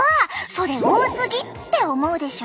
それ多すぎって思うでしょ？